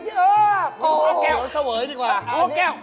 เหนียวเสวยดีกว่ามะม่วงแก้ว